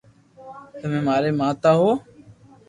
تمي ماري ماتا ھون